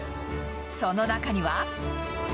その中には。